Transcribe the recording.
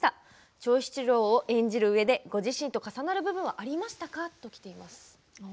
長七郎を演じるうえでご自身と重なる部分はありましたか？